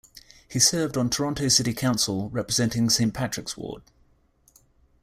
He served on Toronto city council representing Saint Patrick's ward.